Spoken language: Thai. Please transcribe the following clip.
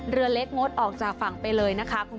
เรือเล็กงดออกจากฝั่งไปเลยนะคะ